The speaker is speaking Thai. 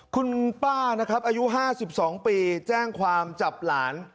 คุณป้านะครับอายุ๕๒ปีแจ้งความจับหลาน